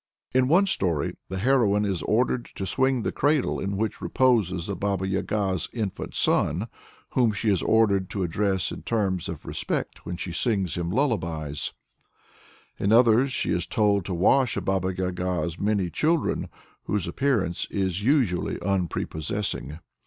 In one story the heroine is ordered to swing the cradle in which reposes a Baba Yaga's infant son, whom she is ordered to address in terms of respect when she sings him lullabies; in others she is told to wash a Baba Yaga's many children, whose appearance is usually unprepossessing.